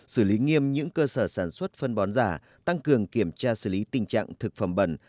xử lý nghiêm những cơ sở sản xuất phân bón giả tăng cường kiểm tra xử lý tình trạng thực phẩm bẩn